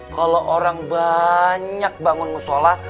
kalau orang banyak bangun musola